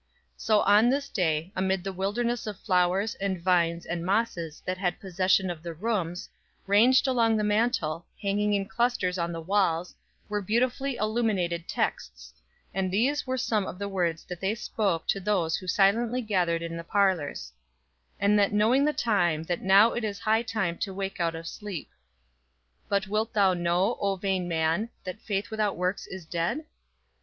So on this day, amid the wilderness of flowers and vines and mosses that had possession of the rooms, ranged along the mantel, hanging in clusters on the walls, were beautifully illuminated texts and these were some of the words that they spoke to those who silently gathered in the parlors: "And that knowing the time, that now it is high time to awake out of sleep." "But wilt thou know, O vain man, that faith without works is dead?"